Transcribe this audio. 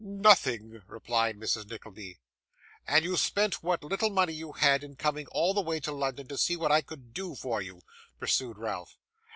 'Nothing,' replied Mrs. Nickleby. 'And you spent what little money you had, in coming all the way to London, to see what I could do for you?' pursued Ralph.